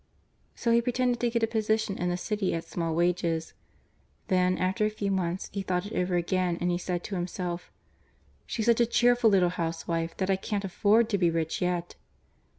So he pretended to get a position in the city at small wages. Then after a few months he thought it over again, and he said to himself, "She's such a cheerful little housewife that I can't afford to be rich yet."